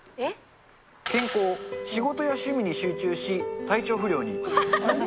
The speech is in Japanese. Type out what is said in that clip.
健康、仕事や趣味に集中し、体調不良に。